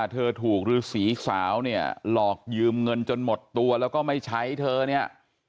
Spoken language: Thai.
เธอถูกฤษีสาวเนี่ยหลอกยืมเงินจนหมดตัวแล้วก็ไม่ใช้เธอเนี่ย